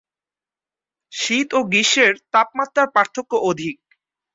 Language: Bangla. শীত ও গ্রীষ্মের তাপমাত্রার পার্থক্য অধিক।